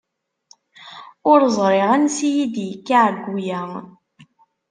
Ur ẓriɣ ansi i yi-d-yekka ɛeyyu-ya.